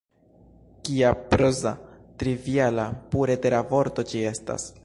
Kia proza, triviala, pure tera vorto ĝi estas!